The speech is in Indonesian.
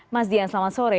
mas dian selamat sore